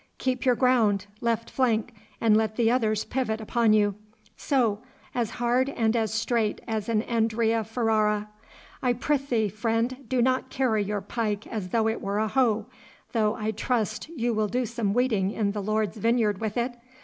Keep your ground, left flank, and let the others pivot upon you. So as hard and as straight as an Andrea Ferrara. I prythee, friend, do not carry your pike as though it were a hoe, though I trust you will do some weeding in the Lord's vineyard with it.